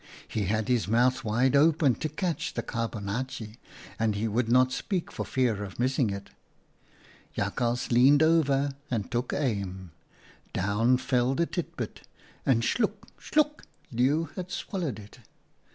He had his mouth wide open to catch the carbonaatje, and he would not speak for fear of missing it. " Jakhals leaned over and took aim. Down fell the tit bit and — sluk ! sluk !— Leeuw had swallowed it.